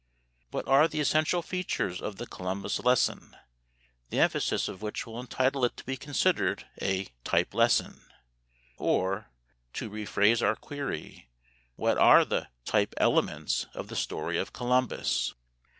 What are the essential features of the Columbus lesson, the emphasis of which will entitle it to be considered a "type lesson"? Or, to re phrase our query, what are the "type elements" of the story of Columbus?